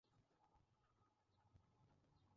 যা পূর্বেই উল্লিখিত হয়েছে।